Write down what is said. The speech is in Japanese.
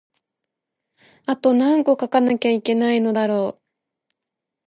あとなんこ書かなきゃいけないのだろう